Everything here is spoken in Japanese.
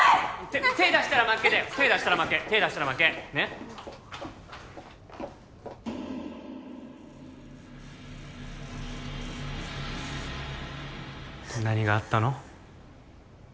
手出したら負けだよ手出したら負け手出したら負けねっ何があったの？